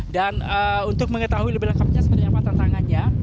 dan untuk mengetahui lebih lengkapnya seperti apa tantangannya